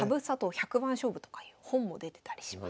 百番勝負とかいう本も出てたりします。